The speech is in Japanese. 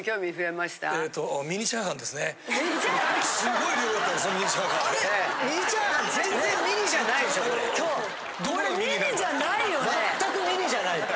まったくミニじゃない。